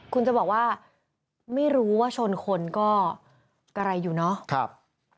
คุณจะบอกว่าไม่รู้ว่าชนคนก็กระไรอยู่เนาะ